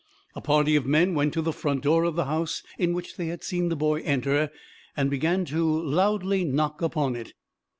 A party of men went to the front door of the house in which they had seen the boy enter, and began loudly to knock upon it.